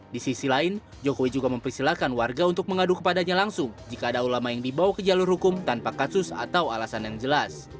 di sisi lain jokowi juga mempersilahkan warga untuk mengadu kepadanya langsung jika ada ulama yang dibawa ke jalur hukum tanpa kasus atau alasan yang jelas